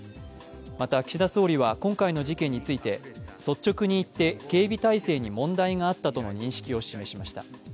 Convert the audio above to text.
また、岸田総理は今回の事件について、率直に言って警備態勢に問題があったとの認識を示しました。